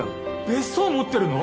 別荘持ってるの？